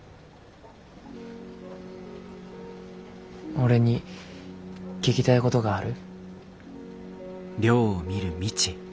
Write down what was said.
俺に聞きたいごどがある？